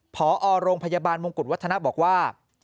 พอโรงพยาบาลมงกุฎวัฒนะบอกว่า